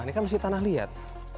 ini kan mesti tanah liat